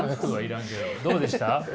どうでした？